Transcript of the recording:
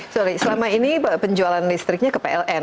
sorry selama ini penjualan listriknya ke pln